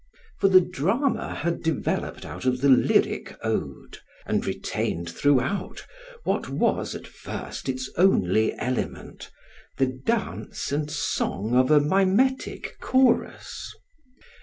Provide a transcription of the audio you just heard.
For the drama had developed out of the lyric ode, and retained throughout what was at first its only element, the dance and song of a mimetic chorus.